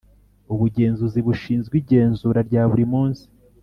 Ubugenzuzi bushinzwe igenzura rya buri munsi